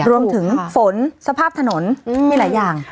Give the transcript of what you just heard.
รวมถึงฝนสภาพถนนมีหลายอย่าง